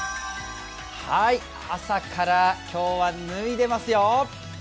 朝から今日は脱いでますよ。